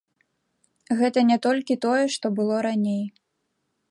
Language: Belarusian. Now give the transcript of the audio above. Гэта не толькі тое, што было раней.